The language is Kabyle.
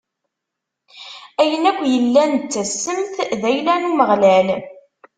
Ayen akk yellan d tassemt d ayla n Umeɣlal.